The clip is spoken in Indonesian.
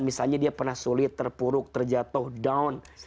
misalnya dia pernah sulit terpuruk terjatuh down